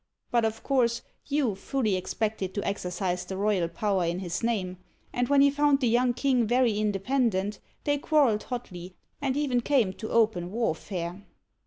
But of course Hugh fully expected to exercise the royal power in his name, and when he found the young king very in dependent, they quarreled hotly, and even came to open warfare.